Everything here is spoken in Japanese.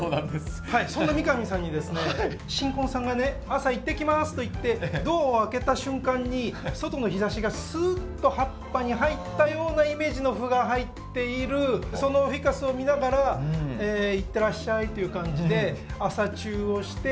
朝「いってきます」と言ってドアを開けた瞬間に外の日ざしがスーッと葉っぱに入ったようなイメージの斑が入っているそのフィカスを見ながらいってらっしゃいという感じで朝チューをして。